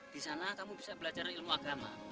di sana kamu bisa belajar ilmu agama